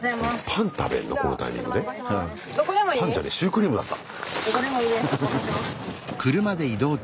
パンじゃねえシュークリームだった。